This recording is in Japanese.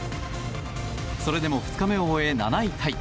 それでも２日目を終え７位タイ。